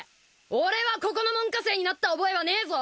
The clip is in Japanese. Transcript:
俺はここの門下生になった覚えはねえぞ！